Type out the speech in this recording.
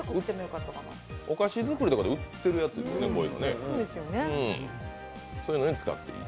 お菓子作りとかで売ってるやつですよね。